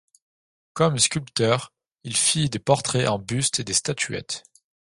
Comme sculpteur, il fit des portraits en buste et des statuettes.